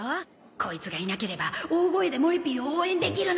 コイツがいなければ大声でもえ Ｐ を応援できるのに